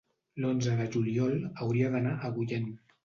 L'onze de juliol hauria d'anar a Agullent.